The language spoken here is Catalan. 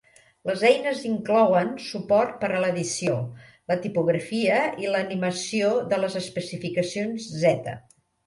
Les eines inclouen suport per a l'edició, la tipografia i l'animació de les especificacions Z.